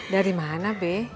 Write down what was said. dari mana be